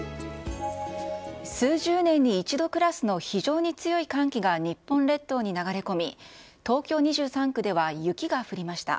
数十年に一度クラスの非常に強い寒気が日本列島に流れ込み、東京２３区では雪が降りました。